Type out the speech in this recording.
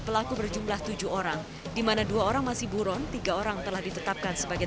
pelaku berjumlah tujuh orang dimana dua orang masih buron tiga orang telah ditetapkan sebagai